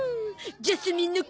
ジャスミンの香り。